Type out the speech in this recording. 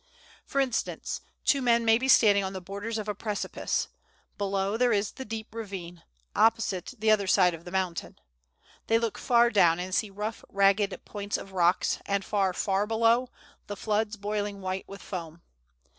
For instance, two men may be standing on the borders of a precipice: below, there is the deep ravine; opposite, the other side of the mountain. They look far down and see rough, ragged points of rocks, and far, far below, the floods boiling white with foam.